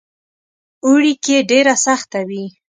اوړي کې ډېره سخته وي.